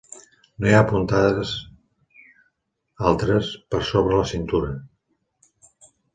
No hi ha puntades altres, per sobre la cintura.